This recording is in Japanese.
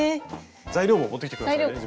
材料も持ってきて下さいね